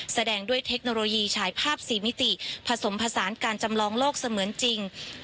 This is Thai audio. แสดงด้วยเทคโนโลยีฉายภาพ๔มิติผสมผสานการจำลองโลกเสมือนจริง